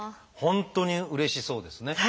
本当にうれしそうですね。